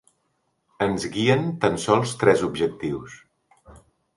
Ens guien tan sols tres objectius.